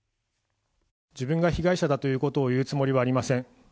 自分が被害者だということを言うつもりはありません。